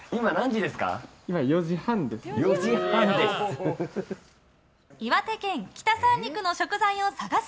今、４時半です。